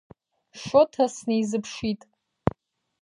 Шоҭа снеизыԥшит.